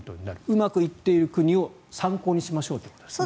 うまくいっている国を参考にしましょうということですね。